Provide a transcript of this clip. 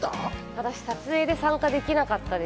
私、撮影で参加できなかったです。